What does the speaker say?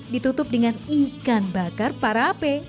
ditutup dengan ikan bakar para ape